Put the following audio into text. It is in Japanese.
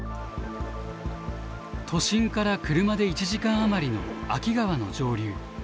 都心から車で１時間余りの秋川の上流。